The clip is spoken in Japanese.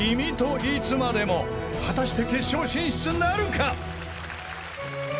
［果たして決勝進出なるか］